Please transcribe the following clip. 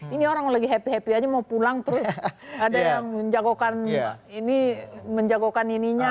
ini orang lagi happy happy aja mau pulang terus ada yang menjagokan ini menjagokan ininya